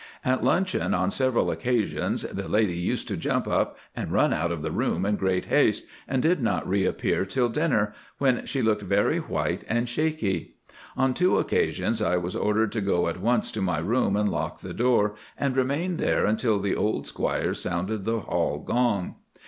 At luncheon on several occasions the lady used to jump up and run out of the room in great haste, and did not reappear till dinner, when she looked very white and shaky. On two occasions I was ordered to go at once to my room and lock the door and remain there until the old Squire sounded the hall gong.